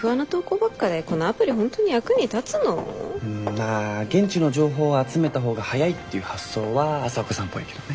まあ現地の情報を集めた方が早いっていう発想は朝岡さんっぽいけどね。